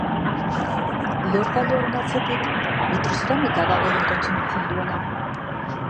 Lehorgailuaren atzetik, bitrozeramika da gehien kontsmitzen duena.